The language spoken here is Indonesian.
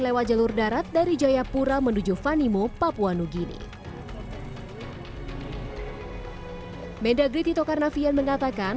lewat jalur darat dari jayapura menuju vanimo papua nugini medagrid titokarnafian mengatakan